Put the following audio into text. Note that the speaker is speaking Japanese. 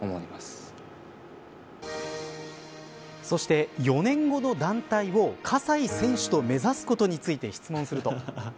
そして４年後の団体を葛西選手と目指すことについて質問すると。